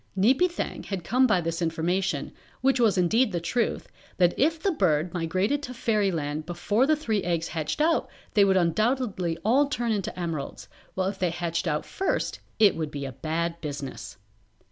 Neepy Thang had come by this information, which was indeed the truth, that if the bird migrated to Fairyland before the three eggs hatched out they would undoubtedly all turn into emeralds, while if they hatched out first it would be a bad business.